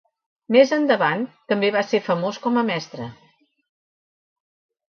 Més endavant també va ser famós com a mestre.